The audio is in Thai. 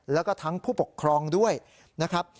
แล้วก็ทั้งผู้ปกครองด้วยนะครับ